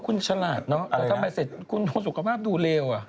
คุณฉลาดเนาะทำไปเสร็จคุณโศกภาพดูเลวอะ